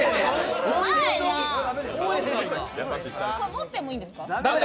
持ってもいいんですか？